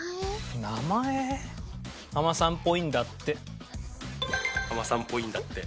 「ハマさんっぽいんだって」。